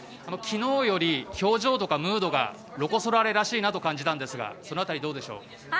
昨日より表情とかムードがロコ・ソラーレらしいなと感じたんですがその辺り、どうでしょう？